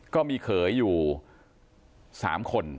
ก็มีเขยอยู่๓คน